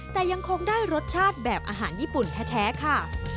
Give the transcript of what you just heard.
แต่ยังคงได้รสชาติแบบอาหารญี่ปุ่นแท้ค่ะ